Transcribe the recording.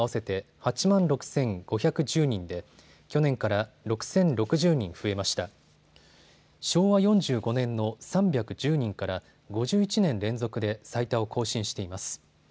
昭和４５年の３１０人から５１年連続で最多を更新しています。